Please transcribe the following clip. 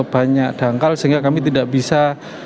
banyak dangkal sehingga kami tidak bisa